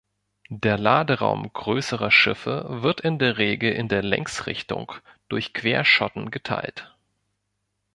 Der Laderaum größerer Schiffe wird in der Regel in der Längsrichtung durch Querschotten geteilt.